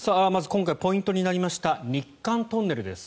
今回ポイントになりました日韓トンネルです。